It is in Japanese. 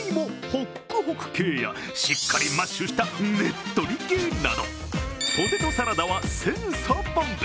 ホックホク系やしっかりマッシュしたねっとり系など、ポテトサラダは千差万別。